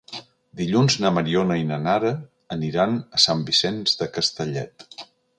Dilluns na Mariona i na Nara aniran a Sant Vicenç de Castellet.